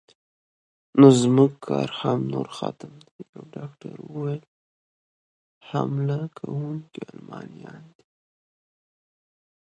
نو زموږ کار هم نور ختم دی، یو ډاکټر وویل: حمله کوونکي المانیان دي.